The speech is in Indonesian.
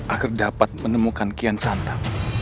agar dapat menemukan kian santap